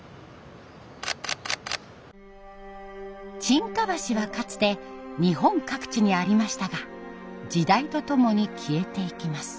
沈下橋はかつて日本各地にありましたが時代とともに消えていきます。